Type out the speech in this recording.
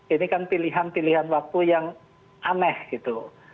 ini kan pilihan pilihan waktu yang aneh gitu